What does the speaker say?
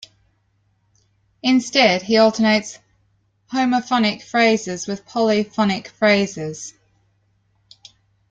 Instead he alternates homophonic phrases with polyphonic phrases.